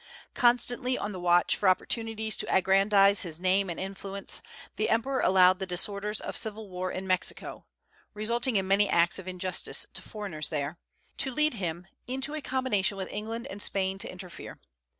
Constantly on the watch for opportunities to aggrandize his name and influence, the emperor allowed the disorders of civil war in Mexico resulting in many acts of injustice to foreigners there to lead him into a combination with England and Spain to interfere.